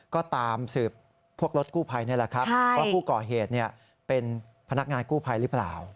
ก็ตามสืบพวกรถกู้ภัยนี่แหละครับว่าผู้ก่อเหตุเป็นพนักงานกู้ภัยหรือเปล่า